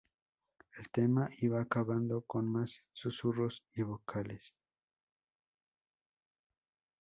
El tema iba acabando con más susurros y vocales.